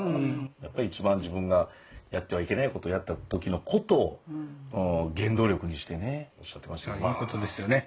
やっぱり一番自分がやってはいけない事をやった時のことを原動力にしてねおっしゃってますけど。